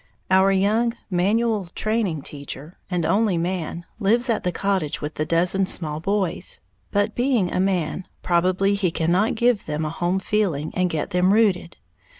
Our young manual training teacher, and only man, lives at the cottage with the dozen small boys; but, being a man, probably he cannot give them a home feeling, and get them rooted.